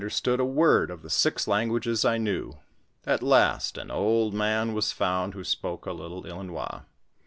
Btood a word of tho six languages I knew ; at last an old man was found who spoke a little Ilinois.